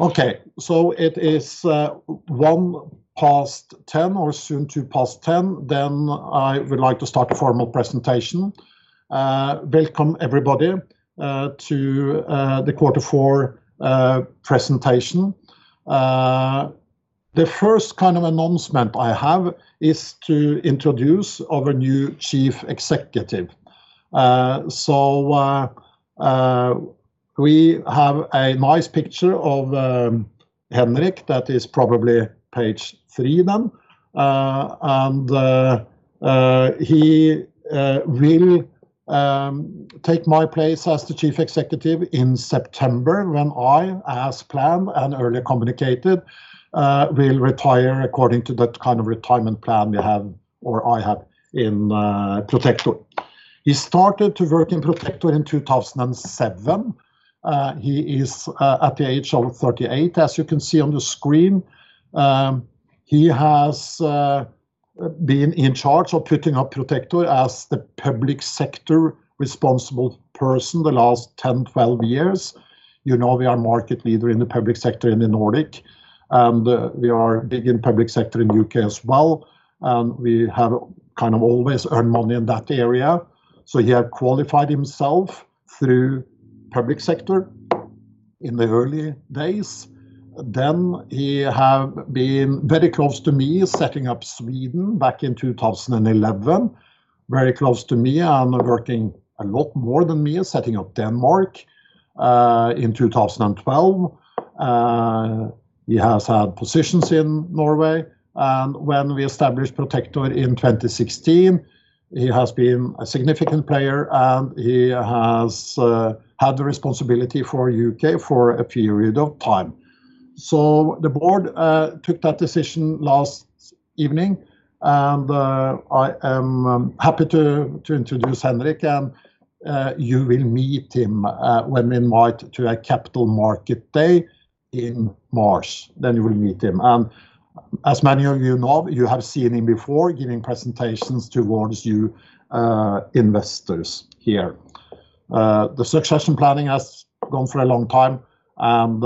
Okay. It is 1:10 or soon to 2:10. I would like to start the formal presentation. Welcome everybody, to the Quarter Four presentation. The first announcement I have is to introduce our new Chief Executive. We have a nice picture of Henrik. That is probably page three then. He will take my place as the Chief Executive in September, when I, as planned and earlier communicated, will retire according to that kind of retirement plan we have, or I have in Protector. He started to work in Protector in 2007. He is at the age of 38, as you can see on the screen. He has been in charge of putting up Protector as the public sector responsible person for the last 10 years. You know we are the market leader in the public sector in the Nordic, and we are big in the public sector in the U.K. as well. We have kind of always earned money in that area. He had qualified himself through public sector in the early days. He has been very close to me, setting up Sweden back in 2011. Very close to me and working a lot more than me in setting up Denmark in 2012. He has had positions in Norway, and when we established Protector in 2016, he has been a significant player, and he has had the responsibility for U.K. for a period of time. The board took that decision last evening, and I am happy to introduce Henrik. You will meet him when we invite you to a Capital Market Day in March. You will meet him. As many of you know, you have seen him before giving presentations towards you investors here. The succession planning has gone for a long time, and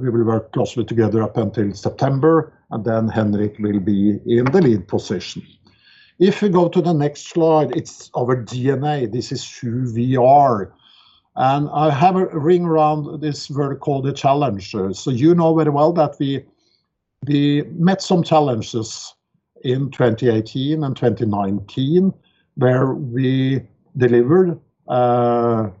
we will work closely together up until September. Then Henrik will be in the lead position. If we go to the next slide, it's our DNA. This is who we are. I have a ring around this word called the challenges. You know very well that we met some challenges in 2018 and 2019, where we delivered rather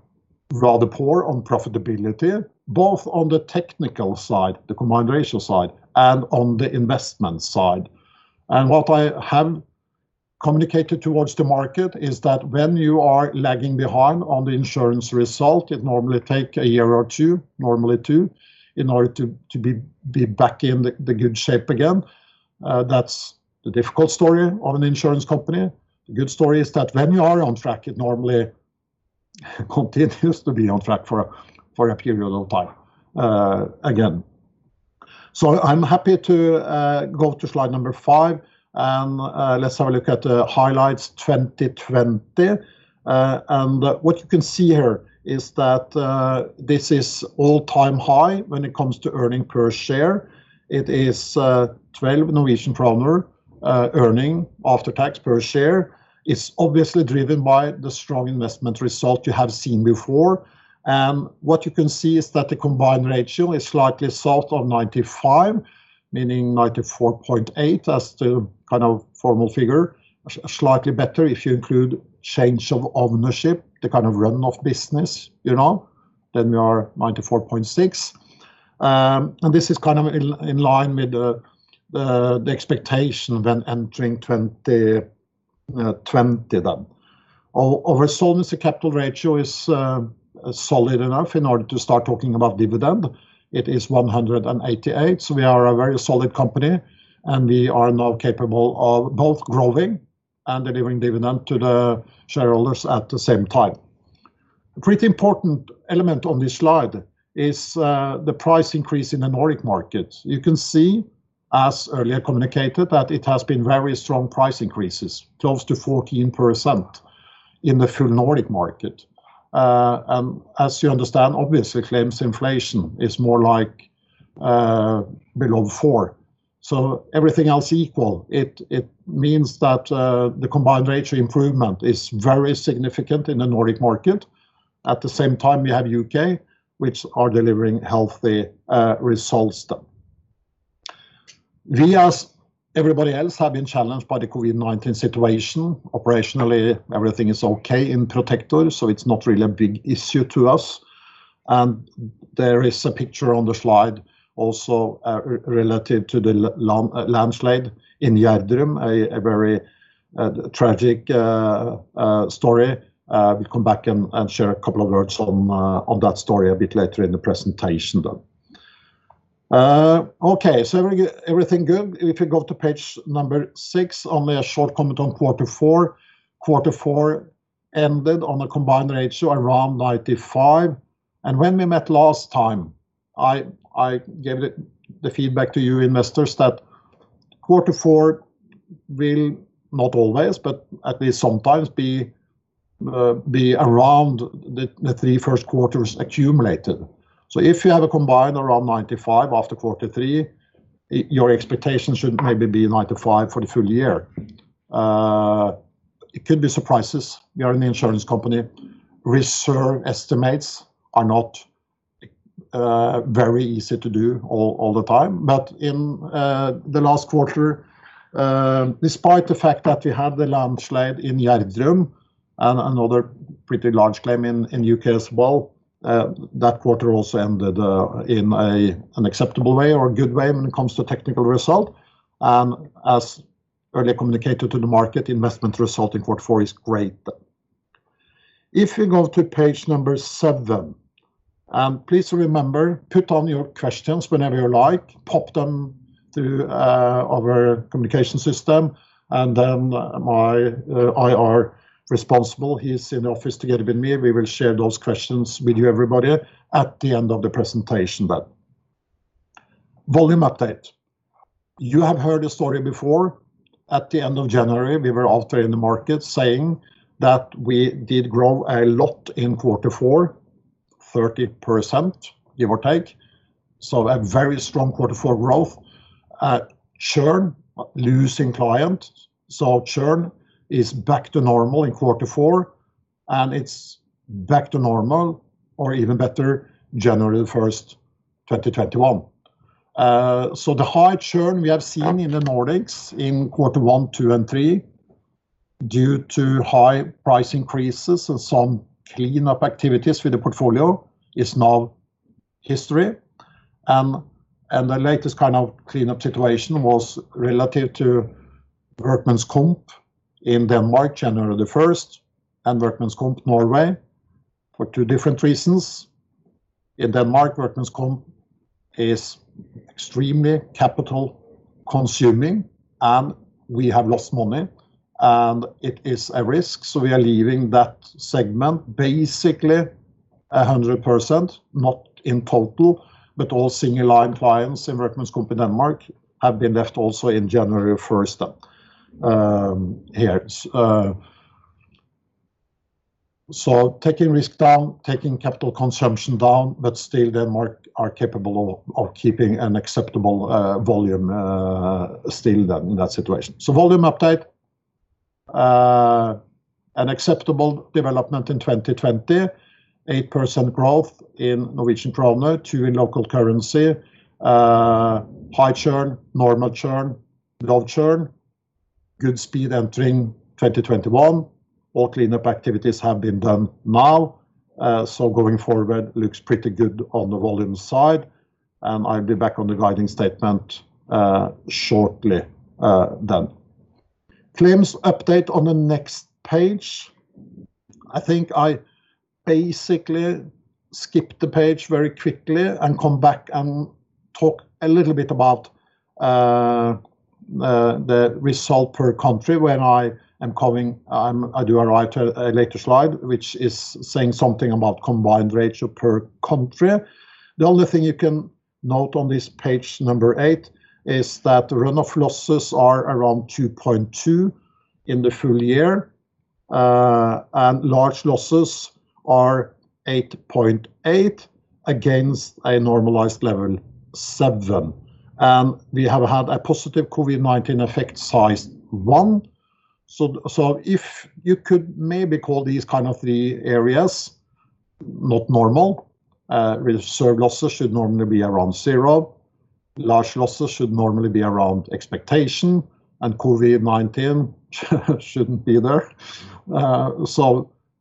poorly on profitability, both on the technical side, the combined ratio side, and on the investment side. What I have communicated towards the market is that when you are lagging behind on the insurance result, it normally takes a year or two, normally two, in order to be back in the good shape again. That's the difficult story of an insurance company. The good story is that when you are on track, it normally continues to be on track for a period of time, again. I'm happy to go to slide number five, and let's have a look at the highlights of 2020. What you can see here is that this is an all-time high when it comes to earnings per share. It is 12 Norwegian kroner earnings after tax per share. It's obviously driven by the strong investment results you have seen before. What you can see is that the combined ratio is slightly south of 95%, meaning 94.85% as the kind of formal figure. Slightly better if you include the change of ownership, the kind of run-off business. We are 94.6%. This is in line with the expectation when entering 2020. Our solvency capital ratio is solid enough in order to start talking about dividends. It is 188%. We are a very solid company, and we are now capable of both growing and delivering dividends to the shareholders at the same time. A pretty important element on this slide is the price increase in the Nordic market. You can see, as earlier communicated, that it has been very strong price increases, 12%-14%, in the full Nordic market. As you understand, obviously, claims inflation is more like below four. Everything else equal, it means that the combined ratio improvement is very significant in the Nordic market. At the same time, we have the U.K., which is delivering healthy results then. We, as everybody else, have been challenged by the COVID-19 situation. Operationally, everything is okay in Protector, so it's not really a big issue to us. There is a picture on the slide also, relative to the landslide in Gjerdrum, a very tragic story. I will come back and share a couple of words on that story a bit later in the presentation, then. Okay. Everything good. If you go to page number six, only a short comment on quarter four. Quarter four ended on a combined ratio of around 95%. When we met last time, I gave the feedback to you investors that quarter four will, not always, but at least sometimes be around the three first quarters accumulated. If you have a combined of around 95% after quarter three, your expectation should maybe be 95% for the full year. It could be surprises. We are an insurance company. Reserve estimates are not very easy to do all the time. In the last quarter, despite the fact that we had the landslide in Gjerdrum and another pretty large claim in U.K. as well, that quarter also ended in an acceptable way or a good way when it comes to technical results. As earlier communicated to the market, the investment result in quarter four is great. If you go to page number seven, and please remember, put on your questions whenever you like. Pop them through our communication system, and then my IR responsible, he's in the office together with me, we will share those questions with you, everybody, at the end of the presentation, then. Volume update. You have heard the story before. At the end of January, we were out there in the market saying that we did grow a lot in quarter four, 30%, give or take. A very strong quarter four growth. Churn, losing clients. Churn is back to normal in quarter four, and it's back to normal or even better on January 1st, 2021. The high churn we have seen in the Nordics in quarters one, two, and three, due to high price increases and some cleanup activities with the portfolio, is now history. The latest kind of cleanup situation was relative to workmen's comp in Denmark, January 1st, and workmen's comp in Norway for two different reasons. In Denmark, workmen's comp is extremely capital-consuming, and we have lost money, and it is a risk, so we are leaving that segment basically 100%, not in total, but all single-line clients in workmen's comp in Denmark have also been left as of January 1st here. Taking risk down, taking capital consumption down, but still Denmark are capable of keeping an acceptable volume still in that situation. Volume update, an acceptable development in 2020, 8% growth in NOK, 2% in local currency. High churn, normal churn, low churn. Good speed entering 2021. All cleanup activities have been done now, going forward looks pretty good on the volume side. I'll be back on the guiding statement shortly. Claims update on the next page. I think I basically skip the page very quickly and come back and talk a little bit about the result per country when I do a later slide, which is saying something about the combined ratio per country. The only thing you can note on this page, number eight, is that run-off losses are around 2.2% in the full year, large losses are 8.8% against a normalized level 7. We have had a positive COVID-19 effect size 1%. If you could maybe call these kinds of areas not normal, reserve losses should normally be around zero, large losses should normally be around expectation, and COVID-19 shouldn't be there.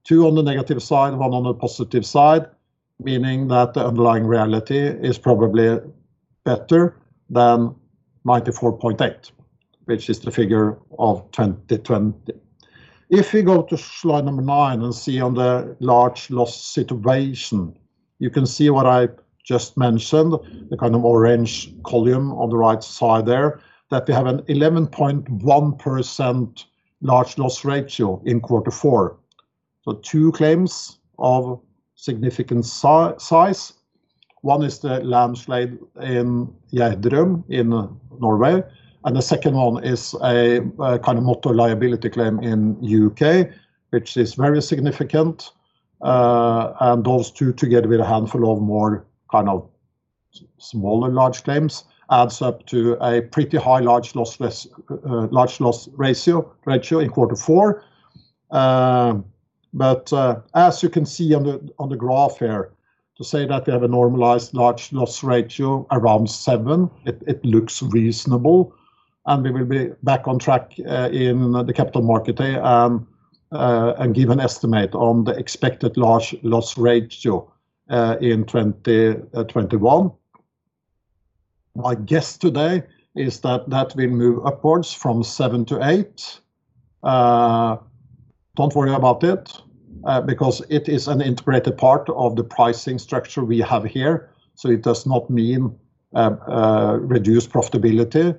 Two on the negative side, one on the positive side, meaning that the underlying reality is probably better than 94.8%, which is the figure of 2020. If we go to slide number nine and see on the large loss situation, you can see what I just mentioned, the kind of orange column on the right side there, that we have an 11.1% large loss ratio in quarter four. Two claims of significant size. One is the landslide in Gjerdrum in Norway, and the second one is a kind of motor liability claim in U.K., which is very significant. Those two, together with a handful of more kind of smaller large claims, adds up to a pretty high large loss ratio in quarter four. As you can see on the graph here, to say that we have a normalized large loss ratio around 7%, it looks reasonable, and we will be back on track in the Capital Market Day and give an estimate on the expected large loss ratio in 2021. My guess today is that it will move upwards from 7% to 8%. Don't worry about it, because it is an integrated part of the pricing structure we have here, so it does not mean reduced profitability.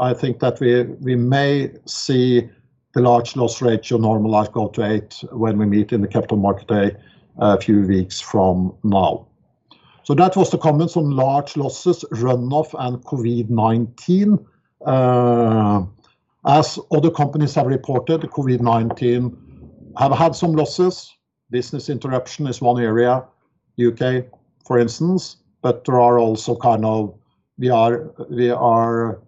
I think that we may see the large loss ratio normalized go to eight when we meet in the Capital Market Day, a few weeks from now. That was the comments on large losses, run-off, and COVID-19. As other companies have reported, COVID-19 has had some losses. Business interruption is one area, U.K., for instance. We are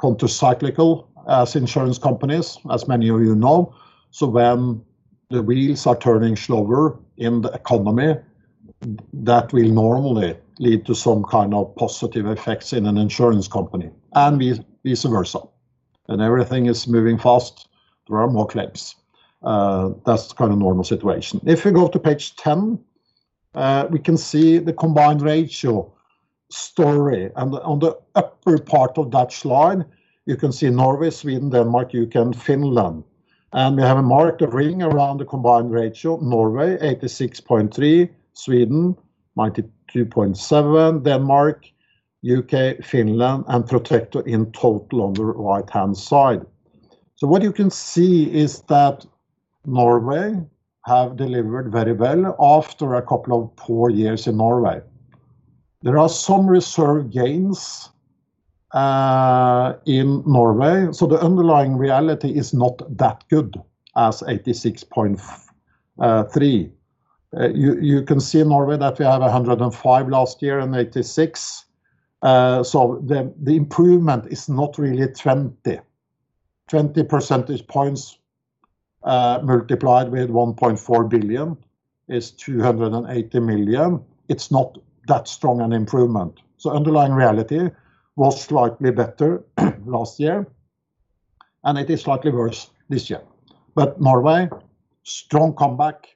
counter-cyclical as insurance companies, as many of you know. When the wheels are turning slower in the economy, that will normally lead to some kind of positive effects in an insurance company, and vice versa. When everything is moving fast, there are more claims. That's kind of a normal situation. If we go to page 10, we can see the combined ratio story. On the upper part of that line, you can see Norway, Sweden, Denmark, U.K., and Finland. We have marked a ring around the combined ratio. Norway 86.3%, Sweden 92.7%, Denmark, U.K., Finland, and Protector in total on the right-hand side. What you can see is that Norway has delivered very well after a couple of poor years in Norway. There are some reserve gains in Norway, the underlying reality is not that good as 86.3%. You can see in Norway that we have 105% last year and 86%, the improvement is not really 20 percentage points. Multiplied with 1.4 billion is 280 million. It is not that strong an improvement. The underlying reality was slightly better last year, and it is slightly worse this year. Norway, strong comeback.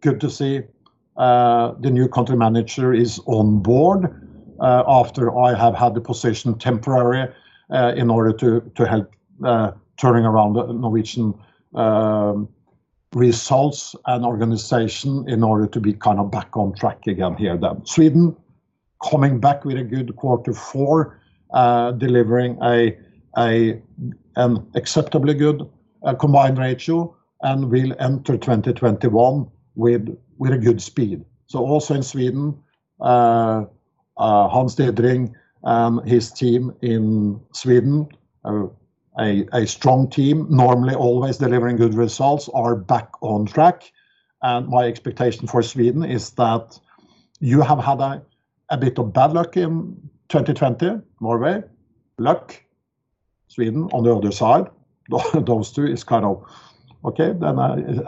Good to see the new Country Manager is on board, after I have had the position temporarily, in order to help in turning around the Norwegian results and organization, in order to be back on track again here. Sweden, coming back with a good quarter four, delivering an acceptably good combined ratio, and will enter 2021 with a good speed. Also in Sweden, Hans Didring, his team in Sweden, a strong team, normally always delivering good results, are back on track. My expectation for Sweden is that you have had a bit of bad luck in 2020, Norway. Luck, Sweden, on the other side. Those two are kind of okay,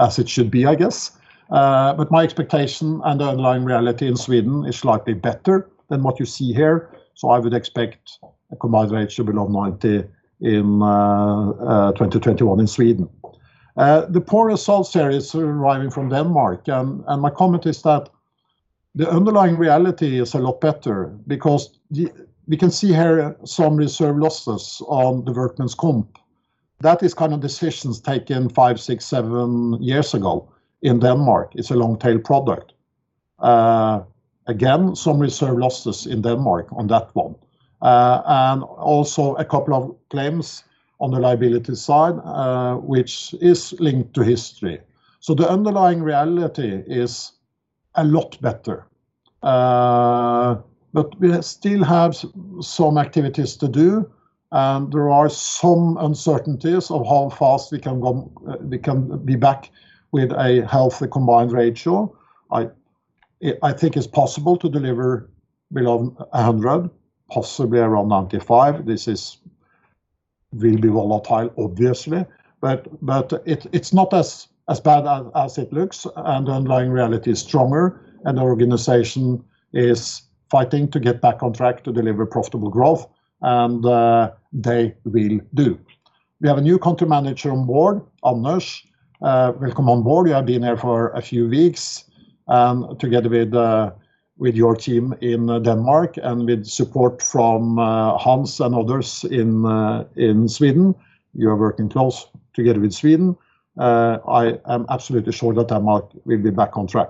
as it should be, I guess. My expectation and the underlying reality in Sweden is slightly better than what you see here, so I would expect a combined ratio below 90% in 2021 in Sweden. The poor results here is arriving from Denmark, and my comment is that the underlying reality is a lot better because we can see here some reserve losses on the workmen's comp. That is decisions taken five, six, seven years ago in Denmark. It's a long tail product. Again, some reserve losses in Denmark on that one. Also, a couple of claims on the liability side, which is linked to history. The underlying reality is a lot better. We still have some activities to do, and there are some uncertainties of how fast we can be back with a healthy combined ratio. I think it's possible to deliver below 100%, possibly around 95%. This will be volatile, obviously. It's not as bad as it looks, and the underlying reality is stronger, and the organization is fighting to get back on track to deliver profitable growth. They will do. We have a new Country Manager on board, Anders. Welcome on board. You have been there for a few weeks, together with your team in Denmark and with support from Hans and others in Sweden. You are working closely together with Sweden. I am absolutely sure that Denmark will be back on track.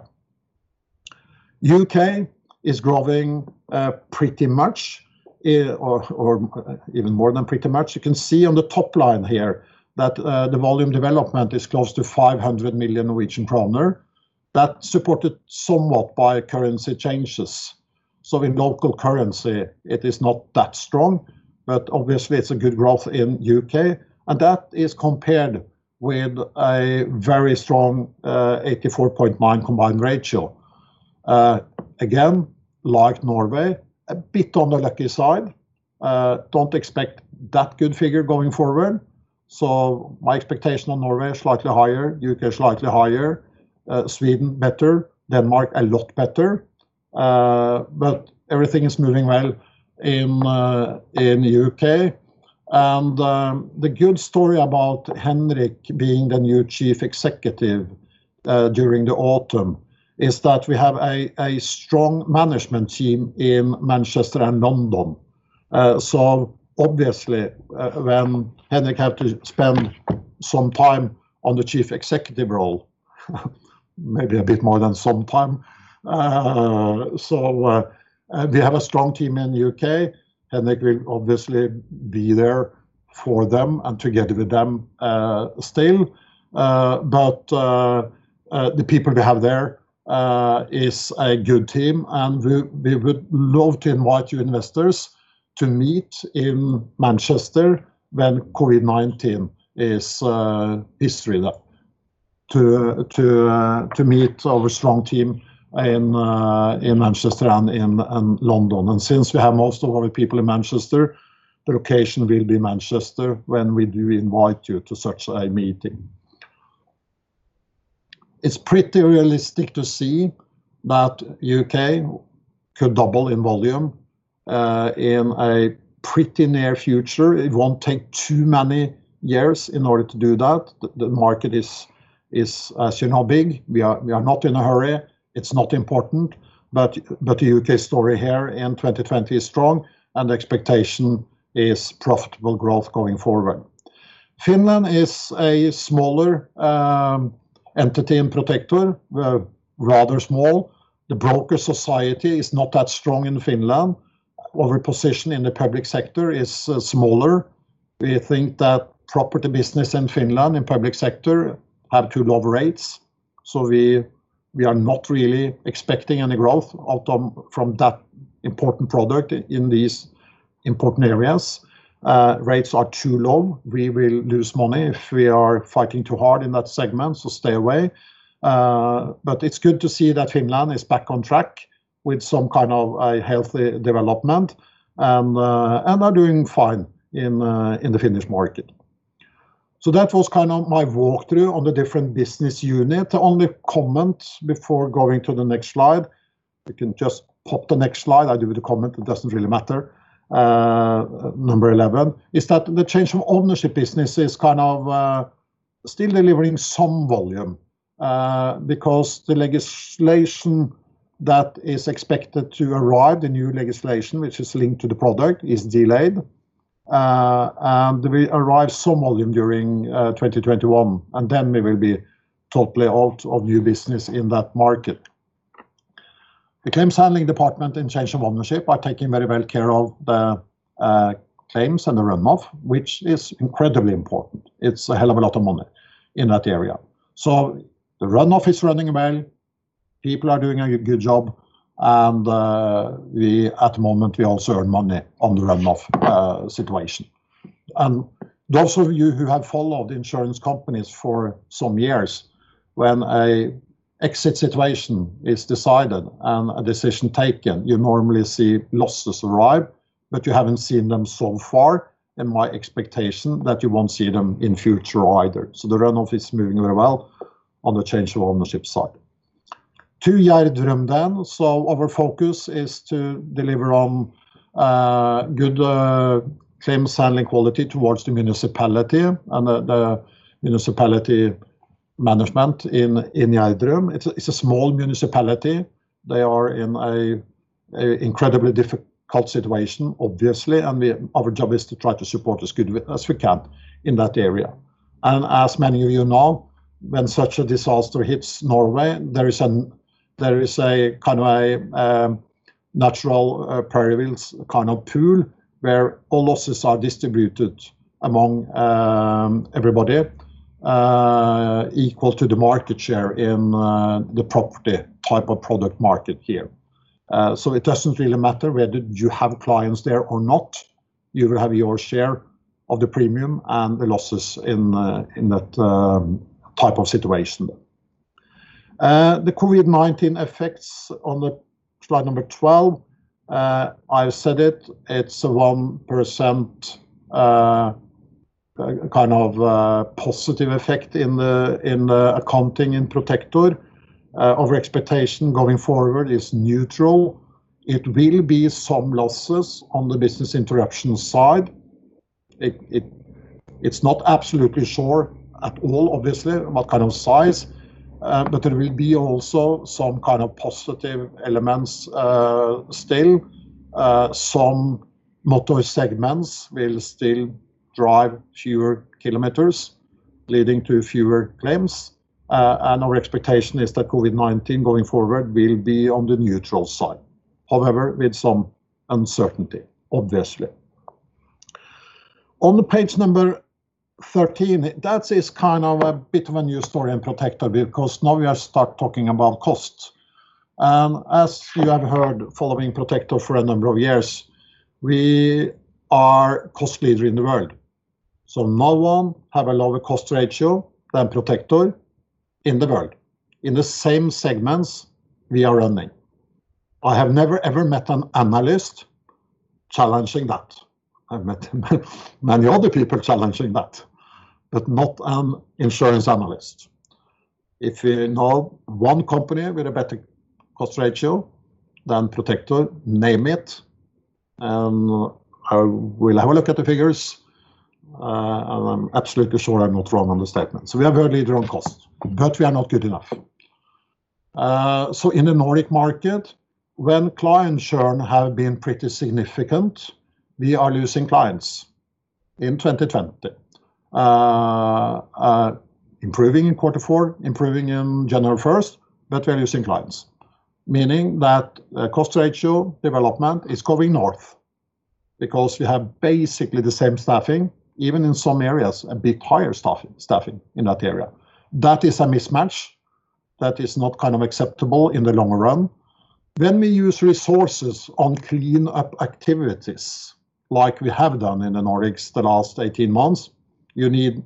U.K. is growing pretty much or even more than pretty much. You can see on the top line here that the volume development is close to 500 million Norwegian kroner. That's supported somewhat by currency changes. In local currency, it is not that strong, but obviously it's a good growth in U.K. That is compared with a very strong 84.9% combined ratio. Again, like Norway, a bit on the lucky side. Don't expect that good figure going forward. My expectation on Norway is slightly higher, U.K. is slightly higher, Sweden better, and Denmark a lot better. Everything is moving well in U.K. The good story about Henrik being the new Chief Executive during the Autumn is that we have a strong management team in Manchester and London. Obviously, when Henrik has to spend some time on the Chief Executive role, maybe a bit more than some time. We have a strong team in U.K. Henrik will obviously be there for them and together with them still. The people we have there are a good team, and we would love to invite you, investors, to meet in Manchester when COVID-19 is history though, to meet our strong team in Manchester and London. Since we have most of our people in Manchester, the location will be Manchester when we do invite you to such a meeting. It's pretty realistic to see that U.K. could double in volume in a pretty near future. It won't take too many years in order to do that. The market is, as you know, big. We are not in a hurry. It's not important. The U.K. story here in 2020 is strong, and the expectation is profitable growth going forward. Finland is a smaller entity in Protector. Rather small. The broker society is not that strong in Finland. Our position in the public sector is smaller. We think that the property business in Finland in the public sector have too low rates. We are not really expecting any growth from that important product in these important areas. Rates are too low. We will lose money if we are fighting too hard in that segment, so stay away. It's good to see that Finland is back on track with some kind of healthy development and are doing fine in the Finnish market. That was my walkthrough on the different business units. The only comment before going to the next slide. You can just pop the next slide. I do the comment, it doesn't really matter. Number 11 is that the change of ownership is still delivering some volume, because the legislation that is expected to arrive, the new legislation, which is linked to the product, is delayed. We will arrive at some volume during 2021, then we will be totally out of new business in that market. The claims handling department and change of ownership are taking very well care of the claims and the run-off, which is incredibly important. It's a hell of a lot of money in that area. The run-off is running well. People are doing a good job, and at the moment, we also earn money on the run-off situation. Those of you who have followed insurance companies for some years, when an exit situation is decided and a decision taken, you normally see losses arrive, but you haven't seen them so far, and my expectation is that you won't see them in the future either. The run-off is moving very well on the change of ownership side. To Gjerdrum. Our focus is to deliver on good claims handling quality towards the municipality and the municipality management in Gjerdrum. It's a small municipality. They are in an incredibly difficult situation, obviously, and our job is to try to support as good as we can in that area. As many of you know, when such a disaster hits Norway, there is a kind of natural perils kind of pool where all losses are distributed among everybody, equal to the market share in the property type of product market here. It doesn't really matter whether you have clients there or not. You will have your share of the premium and the losses in that type of situation. The COVID-19 effects on slide number 12. I've said it's 1%, kind of a positive effect in accounting in Protector. Our expectation going forward is neutral. It will be some losses on the business interruption side. It's not absolutely sure at all, obviously, what kind of size, but there will also be some kind of positive elements still. Some motor segments will still drive fewer kilometers, leading to fewer claims. Our expectation is that COVID-19, going forward, will be on the neutral side. However, with some uncertainty, obviously. On the page number 13, that is a bit of a new story in Protector because now we are starting to talk about cost. As you have heard, following the Protector for a number of years, we are cost leader in the world. No one has a lower cost ratio than Protector in the world, in the same segments we are running. I have never, ever met an analyst challenging that. I've met many other people challenging that, but not an insurance analyst. If you know one company with a better cost ratio than Protector, name it, and I will have a look at the figures. I'm absolutely sure I'm not wrong on the statement. We are the leader on cost, but we are not good enough. In the Nordic market, when client churn have been pretty significant, we are losing clients in 2020. Improving in quarter four, improving in January 1st, we are losing clients. Meaning that cost ratio development is going north because we have basically the same staffing, even in some areas, a bit higher staffing in those areas. That is a mismatch. That is not acceptable in the long run. When we use resources on cleanup activities, like we have done in the Nordics the last 18 months, you need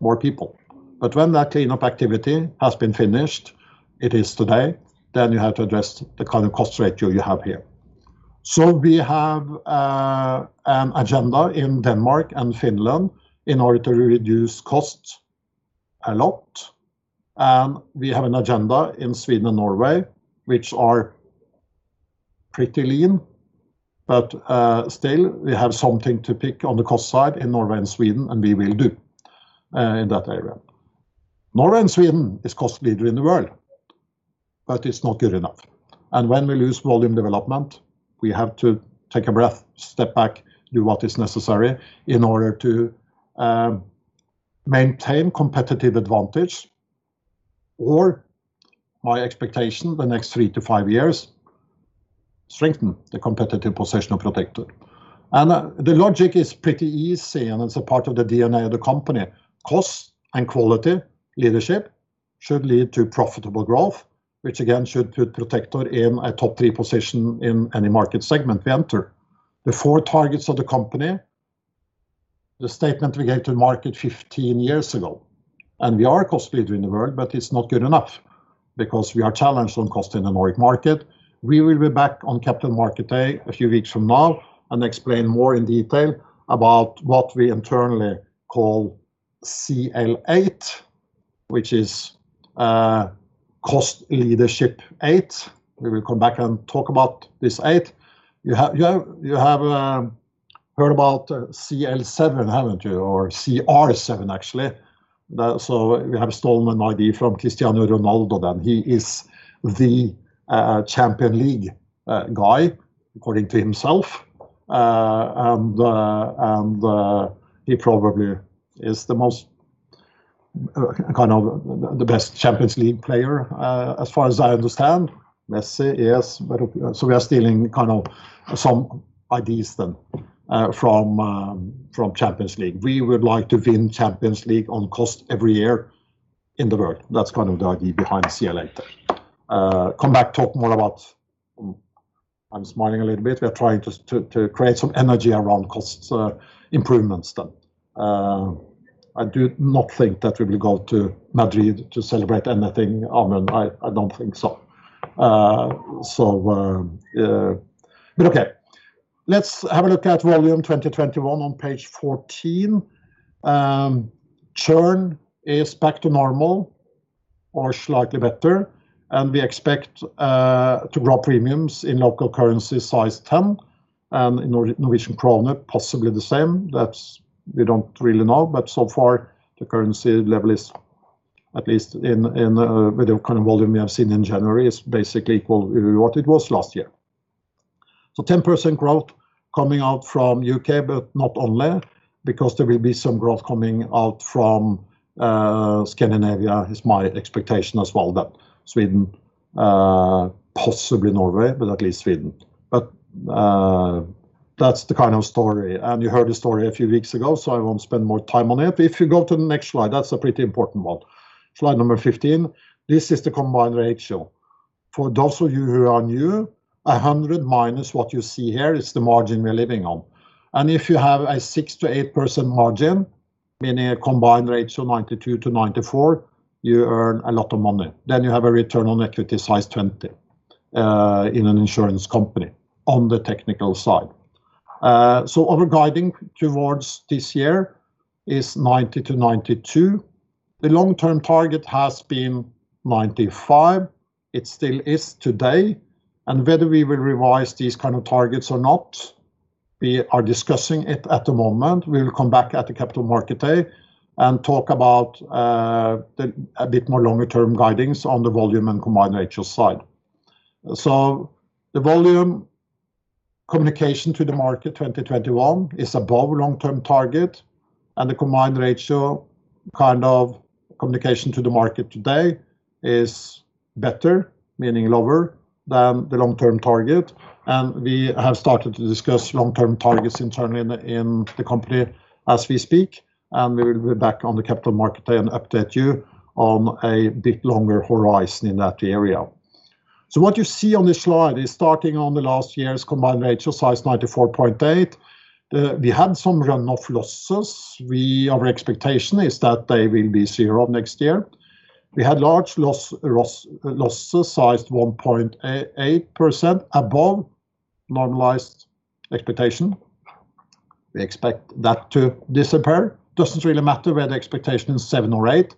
more people. When that cleanup activity has been finished, it is today, then you have to address the kind of cost ratio you have here. We have an agenda in Denmark and Finland in order to reduce costs a lot. We have an agenda in Sweden and Norway, which are pretty lean, but still, we have something to pick on the cost side in Norway and Sweden, and we will do in that area. Norway and Sweden are the cost leaders in the world, but it's not good enough. When we lose volume development, we have to take a breath, step back, do what is necessary in order to maintain competitive advantage or, my expectation the next three to five years, strengthen the competitive position of Protector. The logic is pretty easy, and it's a part of the DNA of the company. Cost and quality leadership should lead to profitable growth, which again, should put Protector in a top-three position in any market segment we enter. The four targets of the company, the statement we gave to the market 15 years ago, we are a cost leader in the world, it's not good enough because we are challenged on cost in the Nordic market. We will be back on Capital Market Day a few weeks from now and explain more in detail about what we internally call CL8, which is Cost Leadership 8. We will come back and talk about this in eight. You have heard about CL7, haven't you? Or CR7, actually. We have stolen an idea from Cristiano Ronaldo, then. He is the Champions League guy, according to himself; he probably is the best Champions League player, as far as I understand. Messi, yes. We are stealing some ideas then from the Champions League. We would like to win the Champions League on cost every year in the world. That's kind of the idea behind CL8. Come back, talk more about I'm smiling a little bit. We are trying to create some energy around cost improvements then. I do not think that we will go to Madrid to celebrate anything. Amund, I don't think so. Okay. Let's have a look at volume 2021 on page 14. Churn is back to normal or slightly better. We expect to grow premiums in local currency size 10%, and in Norwegian krona, possibly the same. That we don't really know. So far, the currency level is at least with the kind of volume we have seen in January is basically equal to what it was last year. 10% growth coming out from U.K. Not only because there will be some growth coming out from Scandinavia, is my expectation as well, that Sweden, possibly Norway. At least Sweden. That's the kind of story, you heard the story a few weeks ago, so I won't spend more time on it. If you go to the next slide, that's a pretty important one. Slide number 15. This is the combined ratio. For those of you who are new, 100%- what you see here is the margin we are living on. If you have a 6%-8% margin, meaning a combined ratio of 92%-94%, you earn a lot of money. You have a return on equity size 20% in an insurance company on the technical side. Our guiding towards this year is 90%-92%. The long-term target has been 95%. It still is today. Whether we will revise these kinds of targets or not, we are discussing it at the moment. We will come back at the Capital Market Day and talk about a bit more longer-term guidance on the volume and combined ratio side. The volume communication to the market 2021 is above long-term target, and the combined ratio kind of communication to the market today is better, meaning lower than the long-term target. We have started to discuss long-term targets internally in the company as we speak, and we will be back on the Capital Market Day and update you on a bit longer horizon in that area. What you see on this slide is starting on the last year's combined ratio size 94.8%. We had some run-off losses. Our expectation is that they will be zero next year. We had large losses sized 1.8% above the normalized expectation. We expect that to disappear. Doesn't really matter whether the expectation is seven or eight.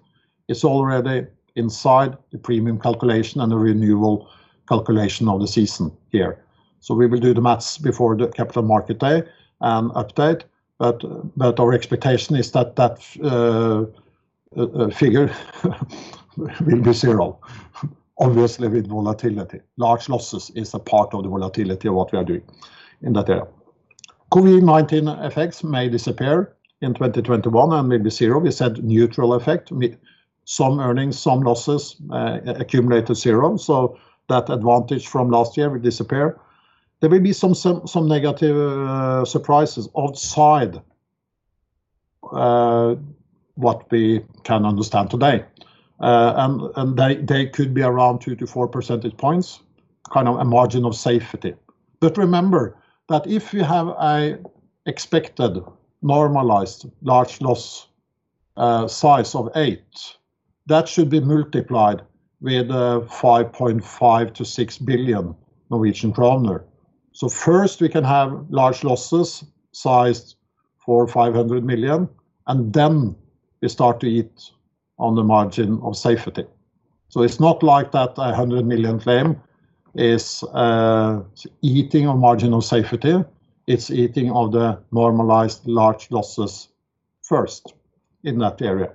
It's already inside the premium calculation and the renewal calculation of the season here. We will do the math before the Capital Market Day and update, but our expectation is that the figure will be zero. Obviously, with volatility. Large losses is a part of the volatility of what we are doing in that area. COVID-19 effects may disappear in 2021 and may be zero. We said neutral effect, some earnings, some losses accumulate to zero, so that the advantage from last year will disappear. There may be some negative surprises outside what we can understand today. They could be around 2-4 percentage points, a margin of safety. Remember that if you have an expected normalized large loss size of 8%, that should be multiplied with 5.5 billion-6 billion Norwegian kroner. First, we can have large losses sized NOK 400 million or 500 million, and then we start to eat on the margin of safety. It's not like that 100 million claim is eating a margin of safety. It's eating off the normalized large losses first in that area.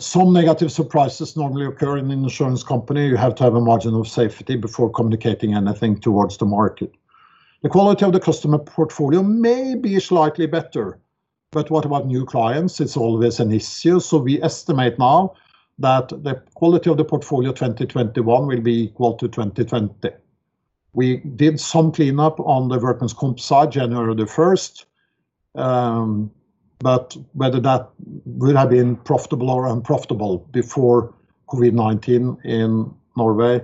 Some negative surprises normally occur in an insurance company. You have to have a margin of safety before communicating anything towards the market. The quality of the customer portfolio may be slightly better, what about new clients? It's always an issue. We estimate now that the quality of the portfolio 2021 will be equal to 2020. We did some cleanup on the workmen's comp on January 1st. But whether that would have been profitable or unprofitable before COVID-19 in Norway,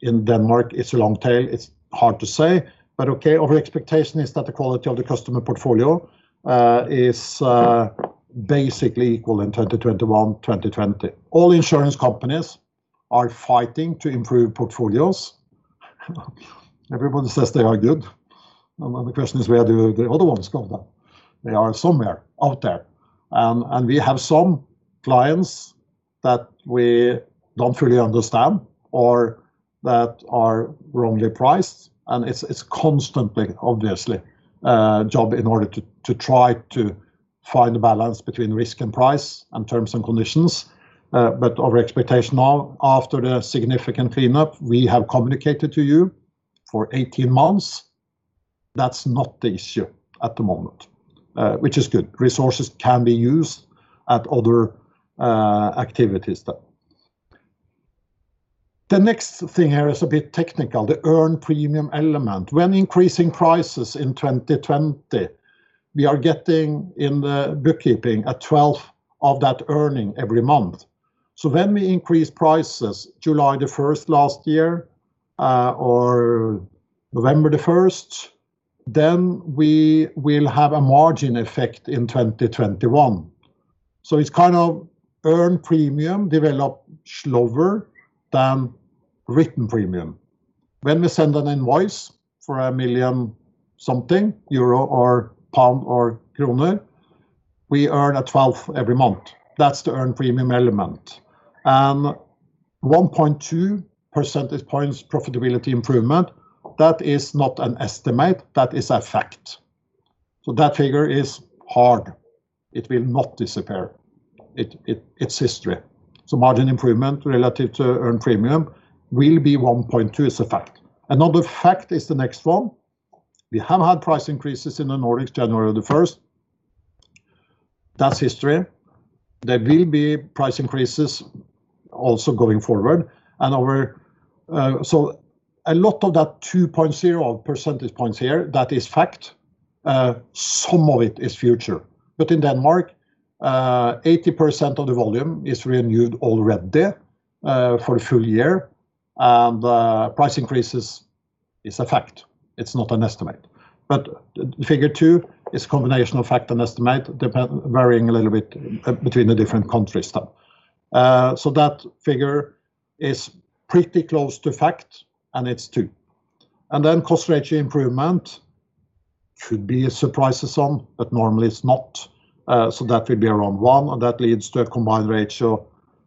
in Denmark, it's a long tail, It's hard to say, but okay, our expectation is that the quality of the customer portfolio is basically equal in 2021, 2020. All insurance companies are fighting to improve portfolios. Everybody says they are good. The question is, where do the other ones go then? They are somewhere out there. We have some clients that we don't fully understand or that are wrongly priced, and it's constantly, obviously, a job in order to try to find a balance between risk and price and terms and conditions. Our expectation now, after the significant cleanup we have communicated to you for 18 months, that's not the issue at the moment, which is good. Resources can be used at other activities then. The next thing here is a bit technical. The earned premium element. When increasing prices in 2020, we are getting in the bookkeeping a 12th of that earnings every month. When we increase prices on July 1st last year, or November 1st, then we will have a margin effect in 2021. It's kind of earned premium develops slower than written premium. When we send an invoice for NOK 1 million something, we earn a 12th every month. That's the earned premium element. 1.2 percentage points of profitability improvement, that is not an estimate, that is a fact. That figure is hard. It will not disappear. It's history. Margin improvement relative to earned premium will be 1.2 percentage points as a fact. Another fact is the next one. We have had price increases in the Nordics on January 1st. That's history. There will be price increases also going forward. A lot of that 2.0 percentage points here, that is a fact. Some of it is the future. In Denmark, 80% of the volume is renewed already for a full year, and the price increase is a fact. It's not an estimate. Figure 2 percentage points is a combination of fact and estimate, varying a little bit between the different countries, though. That figure is pretty close to fact, and it's two. Cost ratio improvement should be a surprise to some, but normally it's not. That will be around one, and that leads to a combined ratio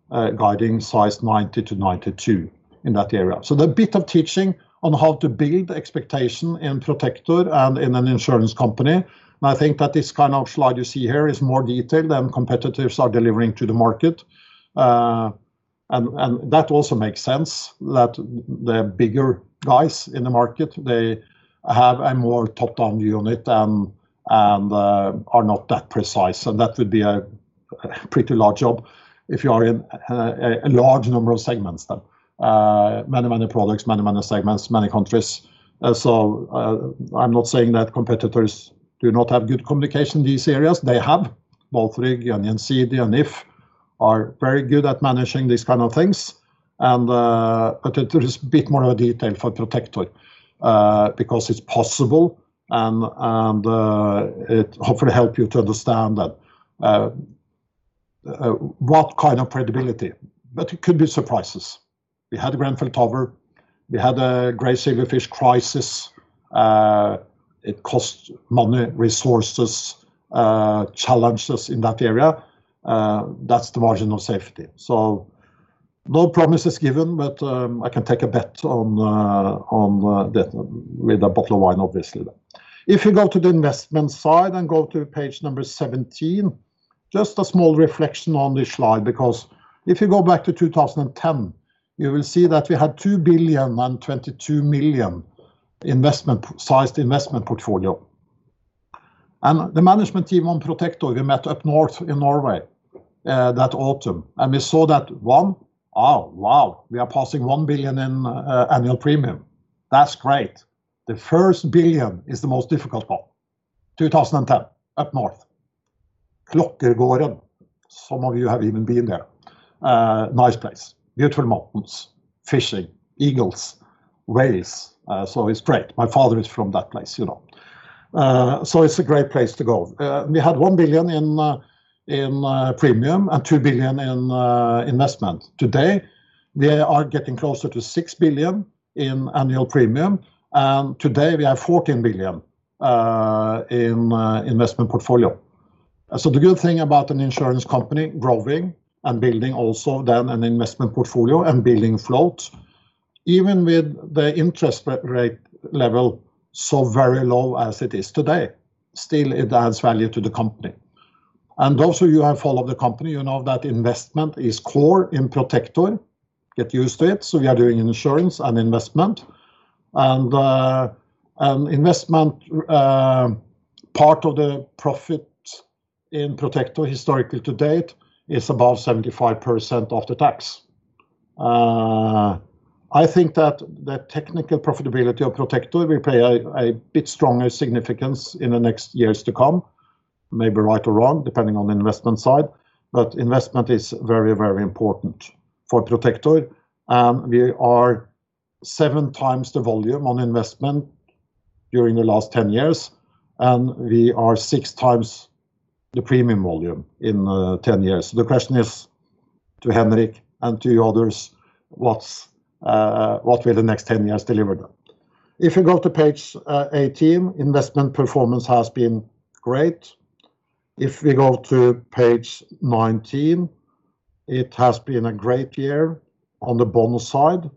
guiding size 90%-92% in that area. The bit of teaching on how to build expectation in Protector and in an insurance company, and I think that this kind of slide you see here is more detailed than competitors are delivering to the market. That also makes sense that the bigger guys in the market, they have a more top-down view on it and are not that precise. That would be a pretty large job if you are in a large number of segments, though. Many products, many segments, many countries. I'm not saying that competitors do not have good communication in these areas. They have. [Bothrig, Union, Cede] and If are very good at managing these kinds of things. It is a bit more of a detail for Protector, because it's possible, and it hopefully helps you to understand what kind of credibility. It could be a surprise. We had Grenfell Tower. We had a gray silverfish crisis. It costs money, resources, challenges in that area. That's the margin of safety. No promises given, but I can take a bet on that with a bottle of wine, obviously, though. If you go to the investment side and go to page number 17. Just a small reflection on this slide, because if you go back to 2010, you will see that we had 2,022 million, sized investment portfolio. The management team on Protector, we met up north in Norway that autumn. We saw that one, oh, wow, we are passing 1 billion in annual premium. That's great. The first 1 billion is the most difficult one. 2010, up north, Klokkergården. Some of you have even been there. Nice place. Beautiful mountains, fishing, eagles, whales. It's great. My father is from that place. It's a great place to go. We had 1 billion in premium and 2 billion in investment. Today, we are getting closer to 6 billion in annual premium, and today we have 14 billion in investment portfolio. The good thing about an insurance company growing and building also then an investment portfolio and building float, even with the interest rate level so very low as it is today, still it adds value to the company. Those of you who have followed the company, you know that investment is core in Protector. Get used to it. We are doing insurance and investment. Investment, part of the profit in Protector historically to date, is above 75% of the tax. I think that the technical profitability of Protector will play a bit stronger significance in the next years to come, maybe right or wrong, depending on the investment side. Investment is very, very important for Protector. We are 7x the volume on investment during the last 10 years, and we are 6x the premium volume in 10 years. The question is to Henrik and to others: What will the next 10 years deliver? If you go to page 18, investment performance has been great. If we go to page 19, it has been a great year on the bonus side.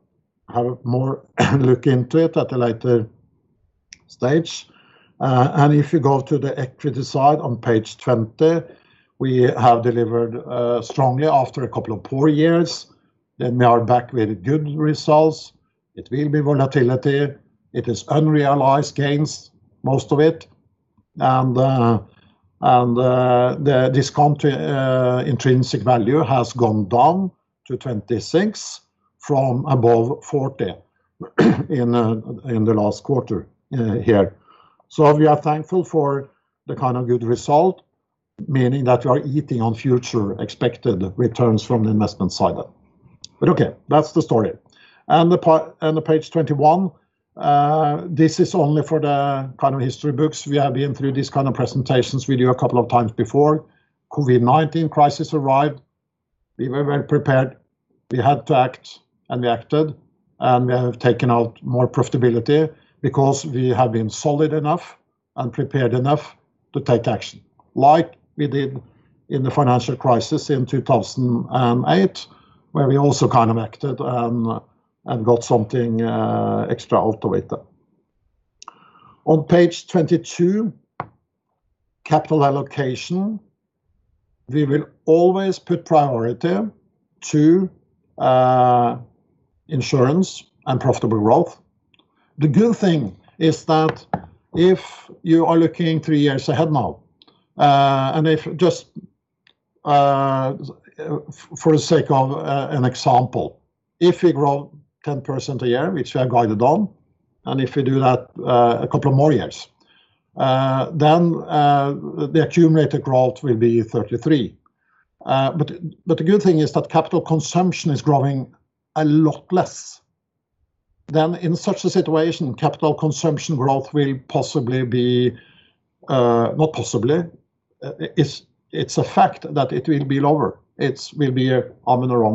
Have more look into it at a later stage. If you go to the equity side on page 20, we have delivered strongly after a couple of poor years, and we are back with good results. It will be volatility. It is unrealized gains, most of it. The discount intrinsic value has gone down to 26% from above 40% in the last quarter here. We are thankful for the kind of good result, meaning that we are eating on future expected returns from the investment side. Okay, that's the story. The page 21, this is only for the kind of history books. We have been through these kinds of presentations with you a couple of times before. COVID-19 crisis arrived. We were very prepared. We had to act, and we acted, and we have taken out more profitability because we have been solid enough and prepared enough to take action. Like we did in the financial crisis in 2008, where we also kind of acted and got something extra out of it. On page 22, capital allocation. We will always put priority to insurance and profitable growth. The good thing is that if you are looking three years ahead now, if just for the sake of an example, if we grow 10% a year, which we are guided on, if we do that a couple more years, then the accumulated growth will be 33%. The good thing is that capital consumption is growing a lot less. In such a situation, capital consumption growth will possibly be not possible. It's a fact that it will be lower. It will be around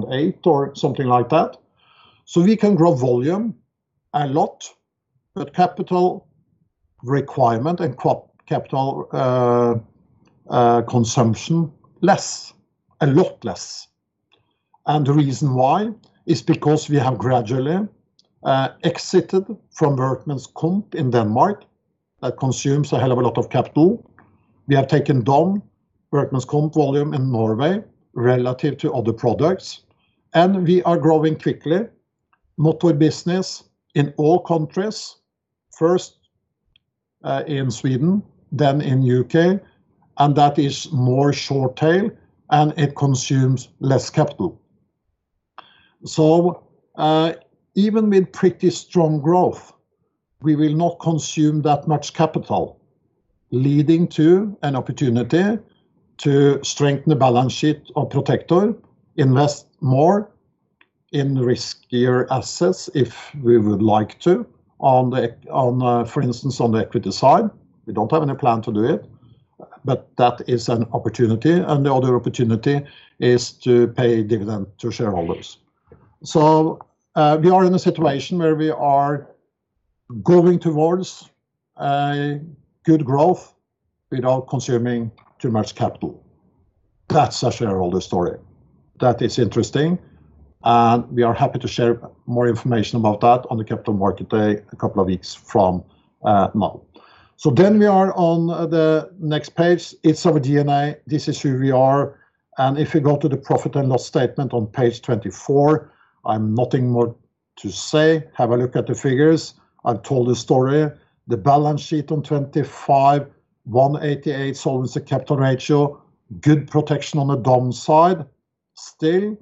8% or something like that. We can grow volume a lot, but capital requirement and capital consumption less, a lot less. The reason why is because we have gradually exited from workmen's comp in Denmark. That consumes a hell of a lot of capital. We have taken down workmen's comp volume in Norway relative to other products, and we are growing quickly motor business in all countries. First in Sweden, then in U.K., that is more short tail, and it consumes less capital. Even with pretty strong growth, we will not consume that much capital, leading to an opportunity to strengthen the balance sheet of Protector, invest more in riskier assets if we would like to, for instance, on the equity side. We don't have any plan to do it, but that is an opportunity, and the other opportunity is to pay a dividend to shareholders. We are in a situation where we are going towards good growth without consuming too much capital. That's a shareholder story. That is interesting. We are happy to share more information about that on the Capital Market Day, a couple of weeks from now. We are on the next page. It's our DNA. This is who we are. If you go to the profit and loss statement on page 24, I have nothing more to say. Have a look at the figures. I've told the story. The balance sheet on 25, 188% solvency capital ratio, good protection on the downside still.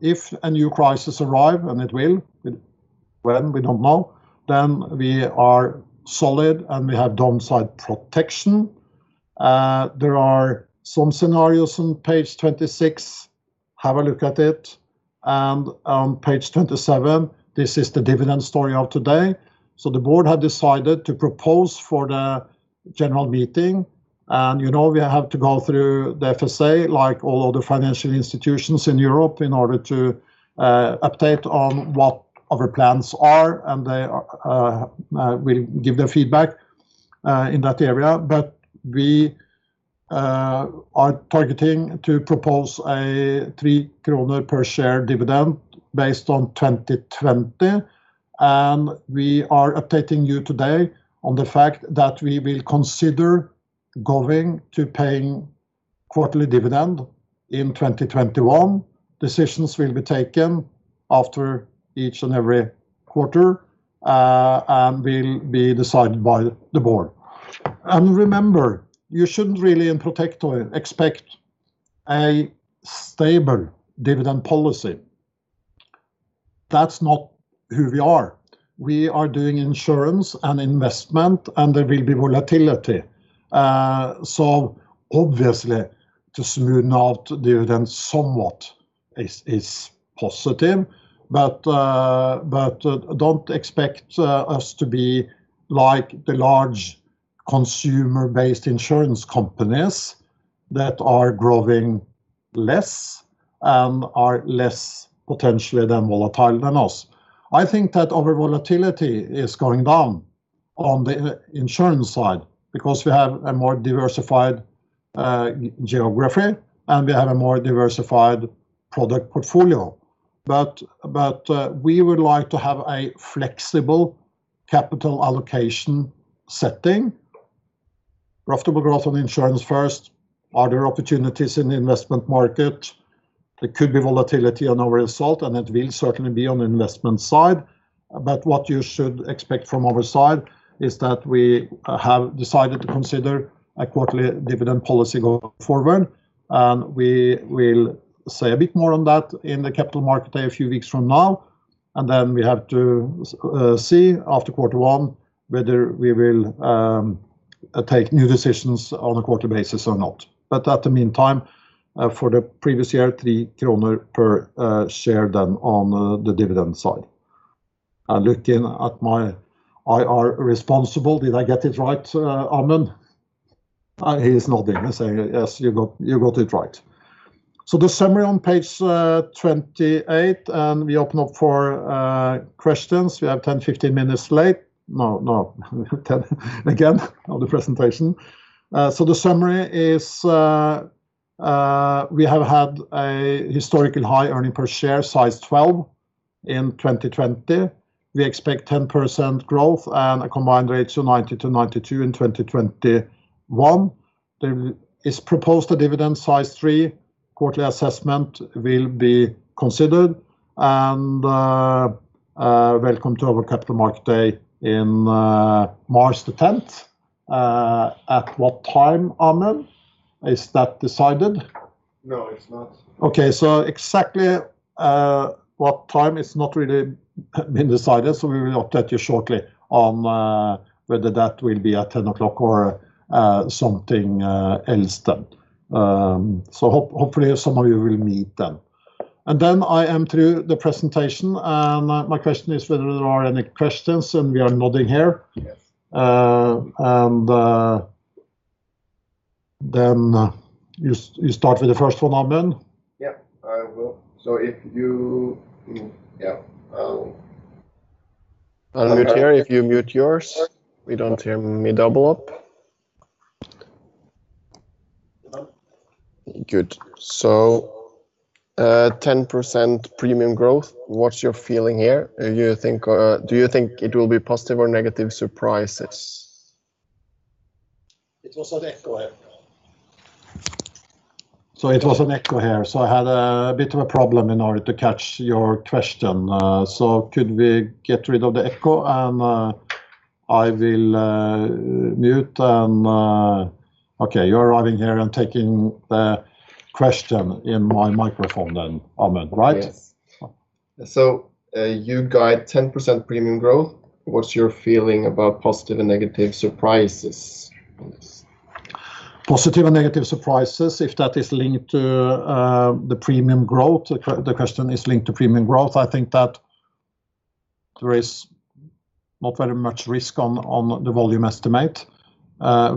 If a new crisis arrives, and it will, when we don't know, then we are solid, and we have downside protection. There are some scenarios on page 26. Have a look at it. On page 27, this is the dividend story of today. The board had decided to propose for the general meeting, you know, we have to go through the FSA, like all other financial institutions in Europe, in order to update on what our plans are, we give them feedback in that area. We are targeting to propose a 3 kroner per share dividend based on 2020. We are updating you today on the fact that we will consider going to paying a quarterly dividend in 2021. Decisions will be taken after each and every quarter, and will be decided by the board. Remember, you shouldn't really expect a stable dividend policy in Protector. That's not who we are. We are doing insurance and investment, and there will be volatility. Obviously, to smoothen out dividends somewhat is positive. Don't expect us to be like the large consumer-based insurance companies that are growing less and are less potentially volatile than us. I think that our volatility is going down on the insurance side because we have a more diversified geography, and we have a more diversified product portfolio. We would like to have a flexible capital allocation setting. Profitable growth on the insurance first. Are there opportunities in the investment market? There could be volatility on our results, and it will certainly be on the investment side. What you should expect from our side is that we have decided to consider a quarterly dividend policy going forward, and we will say a bit more on that in the Capital Market Day a few weeks from now. We have to see after quarter one whether we will take new decisions on a quarterly basis or not. At the meantime, for the previous year, 3 kroner per share on the dividend side. I'm looking at my IR responsible. Did I get it right, Amund? He's nodding and saying, "Yes, you got it right." The summary on page 28 we open up for questions. We have 10 to 15 minutes left. No, no. 10 again of the presentation. The summary is, we have had a historical high earnings per share of 12 in 2020. We expect 10% growth and a combined ratio of 90%-92% in 2021. There is proposed a dividend of 3. Quarterly assessment will be considered. Welcome to our Capital Market Day on March 10th. At what time, Amund? Is that decided? No, it's not. Okay. Exactly what time is not really been decided, so we will update you shortly on whether that will be at 10 o'clock or something else then. Hopefully, some of you will meet then. Then I am through the presentation, and my question is whether there are any questions, and we are nodding here. Yes. You start with the first one, Amund? Yeah, I will. I'll mute here. If you mute yours, we don't hear me double up. Hello. Good. 10% premium growth. What's your feeling here? Do you think it will be a positive or a negative surprise? It was an echo here. It was an echo here, so I had a bit of a problem in order to catch your question. Could we get rid of the echo, and I will mute and, okay, you're arriving here and taking the question in my microphone then, Amund, right? Yes. You guide 10% premium growth. What's your feeling about positive and negative surprises on this? Positive and negative surprises, if that is linked to the premium growth, the question is linked to premium growth, I think that there is not very much risk on the volume estimate.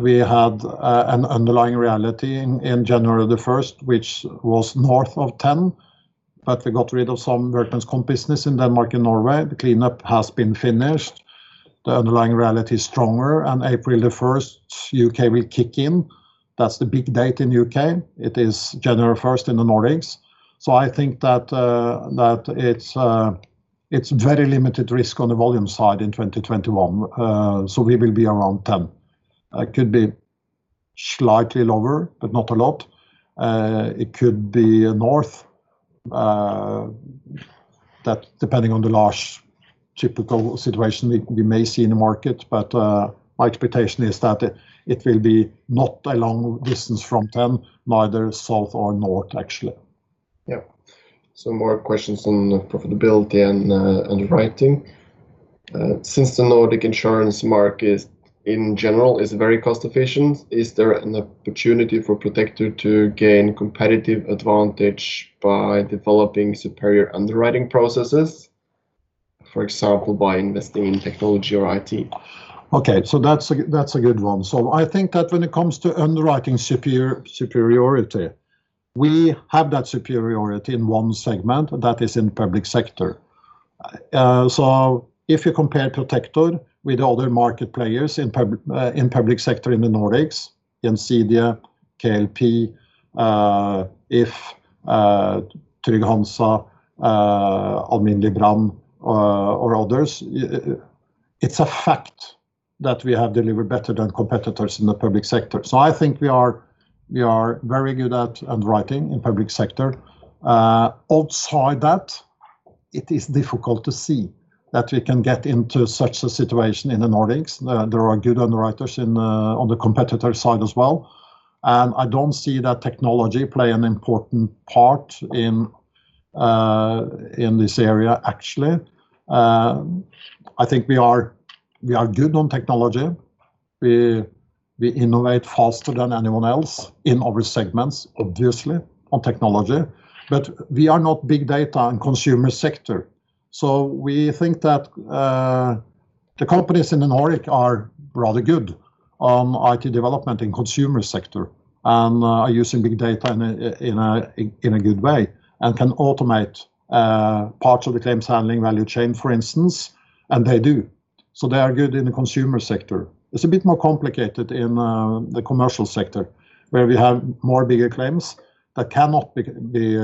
We had an underlying reality in January 1st, which was north of 10%, but we got rid of some workmen's comp business in Denmark and Norway. The cleanup has been finished. The underlying reality is stronger. On April 1st, U.K. will kick in. That's the big date in U.K. It is January 1st in the Nordics. I think that it's a very limited risk on the volume side in 2021, so we will be around 10%. It could be slightly lower, but not a lot. It could be north, that depending on the large typical situation we may see in the market, but my expectation is that it will not be a long distance from 10%, neither south, or north, actually. Yeah. Some more questions on profitability and underwriting. Since the Nordic insurance market in general is very cost-efficient, is there an opportunity for Protector to gain a competitive advantage by developing superior underwriting processes, for example, by investing in technology or IT? Okay, that's a good one. I think that when it comes to underwriting superiority, we have that superiority in one segment, that is, in the public sector. If you compare Protector with other market players in the public sector in the Nordics, Gjensidige, KLP, If, Trygg-Hansa, Alm. Brand or others, it's a fact that we have delivered better than competitors in the public sector. I think we are very good at underwriting in the public sector. Outside that, it is difficult to see that we can get into such a situation in the Nordics. There are good underwriters on the competitor side as well, and I don't see that technology play an important part in this area, actually. I think we are good on technology. We innovate faster than anyone else in our segments, obviously, on technology, but we are not big data on consumer sector. We think that the companies in the Nordic are rather good on IT development in the consumer sector, and are using big data in a good way, and can automate parts of the claims handling value chain, for instance, and they do. They are good in the consumer sector. It is a bit more complicated in the commercial sector, where we have more bigger claims that cannot be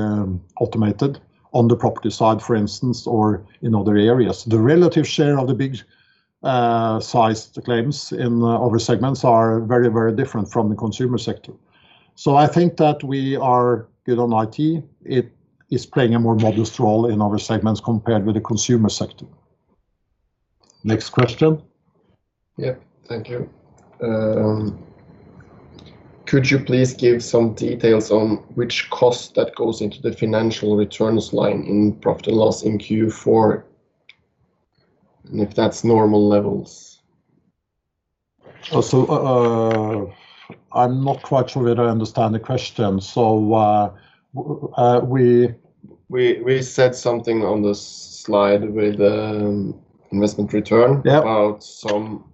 automated on the property side, for instance, or in other areas. The relative share of the big-sized claims in our segments are very different from the consumer sector. I think that we are good on IT. It is playing a more modest role in our segments compared with the consumer sector. Next question. Yeah. Thank you. Could you please give some details on which cost that goes into the financial returns line in profit and loss in Q4, and if that's normal levels? I'm not quite sure whether I understand the question. We said something on the slide with investment return. Yeah. About some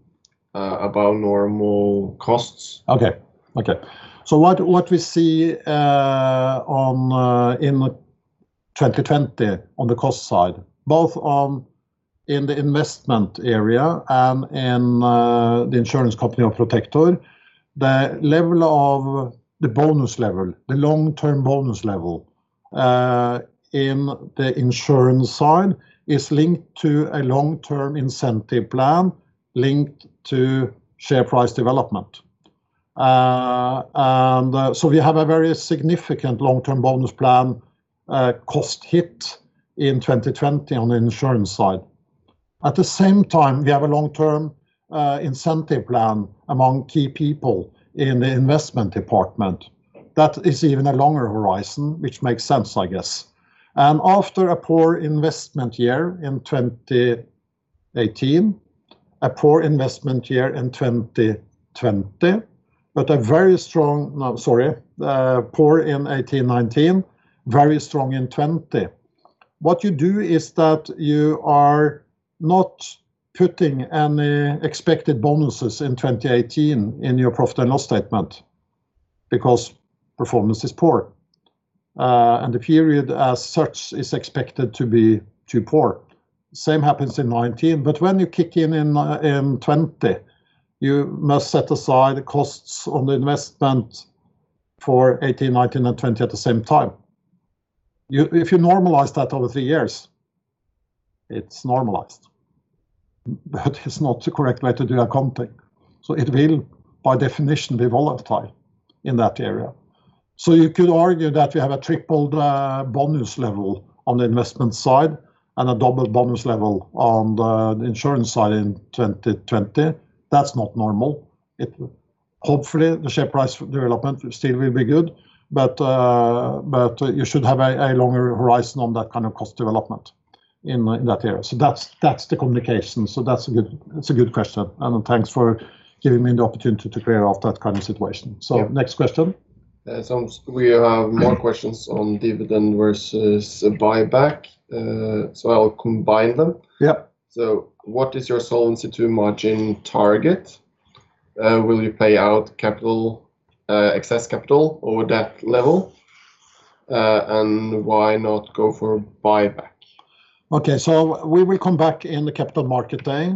above normal costs. Okay. What we see in 2020 on the cost side, both in the investment area and the insurance company of Protector, the bonus level, the long-term bonus level, in the insurance side, is linked to a long-term incentive plan linked to share price development. We have a very significant long-term bonus plan cost hit in 2020 on the insurance side. At the same time, we have a long-term incentive plan among key people in the investment department. That is even a longer horizon, which makes sense, I guess. After a poor investment year in 2018, a poor in 2019, very strong in 2020. What you do is that you are not putting any expected bonuses in 2018 in your profit and loss statement because performance is poor, and the period as such is expected to be too poor. Same happens in 2019. When you kick in in 2020, you must set aside the costs on the investment for 2018, 2019, and 2020 at the same time. If you normalize that over three years, it's normalized. It's not the correct way to do accounting. It will, by definition, be volatile in that area. You could argue that we have a tripled bonus level on the investment side and a doubled bonus level on the insurance side in 2020. That's not normal. Hopefully, the share price development will still be good, but you should have a longer horizon on that kind of cost development in that area. That's the communication. That's a good question, and thanks for giving me the opportunity to clear off that kind of situation. Yeah. Next question. We have more questions on dividend versus buyback. I will combine them. Yeah. What is your solvency margin target? Will you pay out excess capital over that level? Why not go for buyback? Okay, we will come back in the Capital Market Day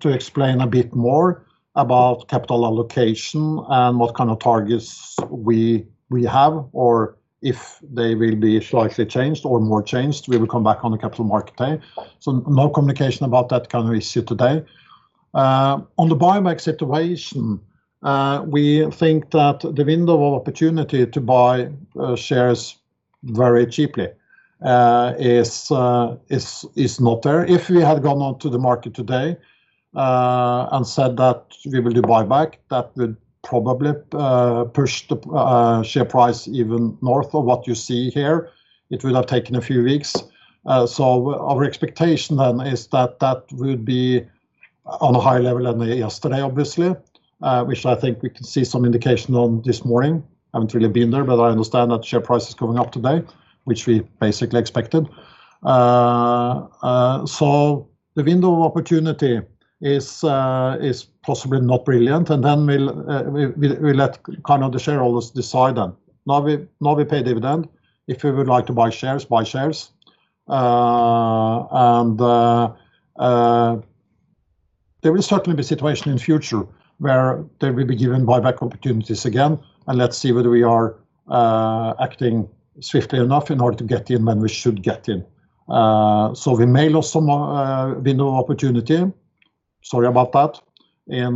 to explain a bit more about capital allocation and what kind of targets we have, or if they will be slightly changed or more changed. We will come back on the Capital Market Day. No communication about that, can we see today? On the buyback situation, we think that the window of opportunity to buy shares very cheaply is not there. If we had gone on to the market today and said that we will do a buyback, that would probably push the share price even north of what you see here. It will have taken a few weeks. Our expectation then is that it will be on a higher level than yesterday, obviously, which I think we can see some indication on this morning. I haven't really been there, but I understand that the share price is going up today, which we basically expected. The window of opportunity is possibly not brilliant; we will let the shareholders decide then. Now we pay a dividend. If we would like to buy shares, buy shares. There will certainly be situations in future where buyback opportunities will be given again, let's see whether we are acting swiftly enough in order to get in when we should get in. We may lose some window opportunity, sorry about that, in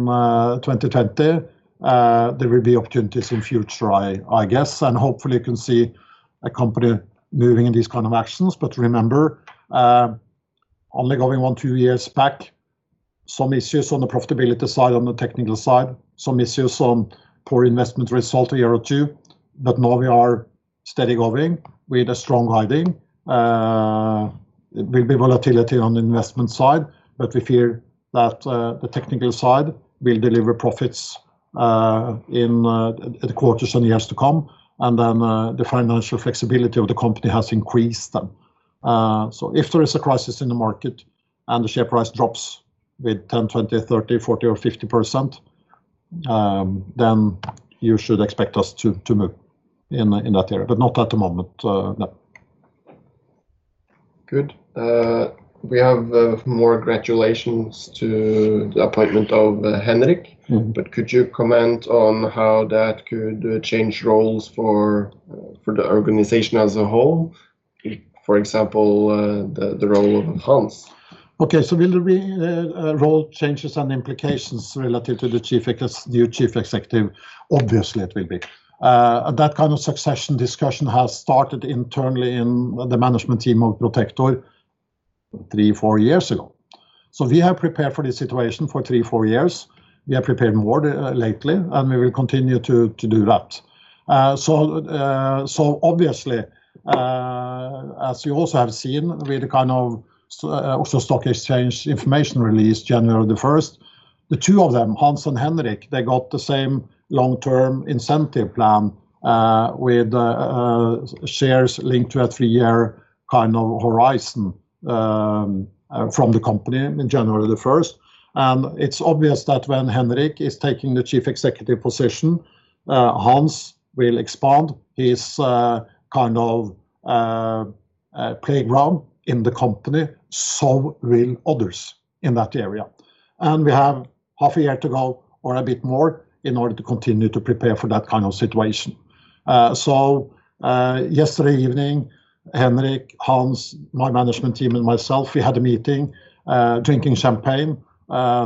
2020. There will be opportunities in future, I guess. Hopefully, you can see a company moving in this kind of action. Remember, only going one, two years back, some issues on the profitability side, on the technical side, some issues on poor investment results in year two, now we are steady going with a strong guiding. There will be volatility on the investment side, we feel that the technical side will deliver profits in the quarters and years to come, the financial flexibility of the company has increased then. If there is a crisis in the market and the share price drops with 10%, 20%, 30%, 40%, or 50%, you should expect us to move in that area. Not at the moment, no. Good. We have more congratulations to the appointment of Henrik. Could you comment on how that could change roles for the organization as a whole? For example, the role of Hans. Okay, will there be role changes and implications relative to the new Chief Executive? Obviously, it will be. That kind of succession discussion has started internally in the management team of Protector three, four years ago. We have prepared for this situation for three to four years. We have prepared more lately, and we will continue to do that. Obviously, as you also have seen with the stock exchange information released January the 1st, the two of them, Hans and Henrik, they got the same long-term incentive plan with shares linked to a three-year horizon from the company in January the 1st. It's obvious that when Henrik is taking the Chief Executive position, Hans will expand his playground in the company, so will others in that area. We have half a year to go, or a bit more, in order to continue to prepare for that kind of situation. Yesterday evening, Henrik, Hans, my management team, and myself, we had a meeting drinking champagne,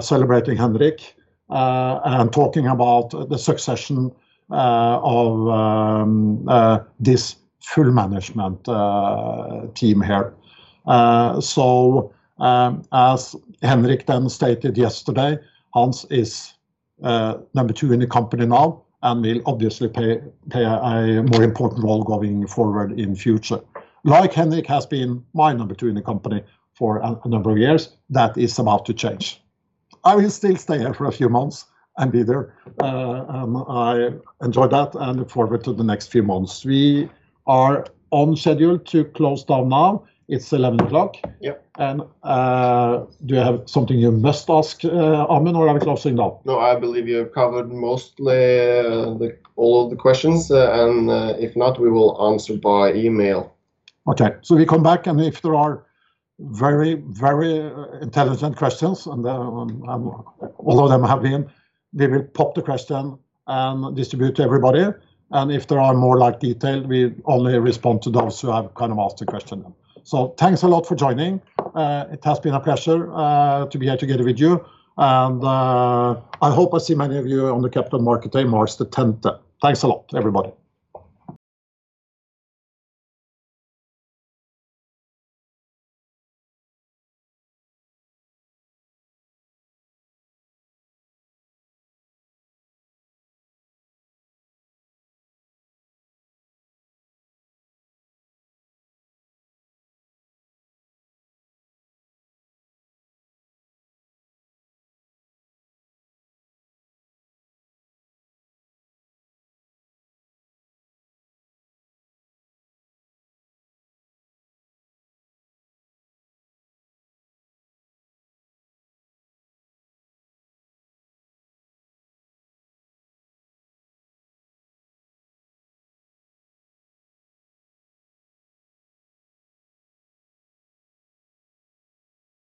celebrating Henrik, and talking about the succession of this full management team here. As Henrik then stated yesterday, Hans is number two in the company now and will obviously play a more important role going forward in future. Like Henrik has been my number two in the company for a number of years, that is about to change. I will still stay here for a few months and be there. I enjoy that and look forward to the next few months. We are on schedule to close down now. It's 11 o'clock. Yep. Do you have something you must ask, Amund, or are we closing now? No, I believe you have covered mostly all of the questions, and if not, we will answer by email. Okay. We come back, and if there are very intelligent questions, and all of them have been, we will pop the question and distribute to everybody. If there are more details, we only respond to those who have asked the question. Thanks a lot for joining. It has been a pleasure to be here together with you, and I hope I see many of you on the Capital Market Day, March the 10th. Thanks a lot, everybody.